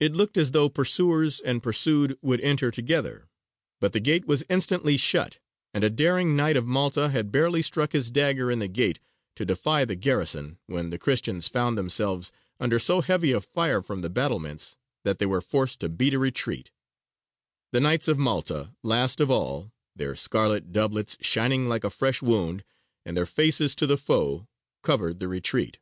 It looked as though pursuers and pursued would enter together; but the gate was instantly shut, and a daring Knight of Malta had barely struck his dagger in the gate to defy the garrison, when the Christians found themselves under so heavy a fire from the battlements, that they were forced to beat a retreat: the Knights of Malta, last of all, their scarlet doublets shining like a fresh wound, and their faces to the foe, covered the retreat.